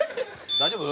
大丈夫？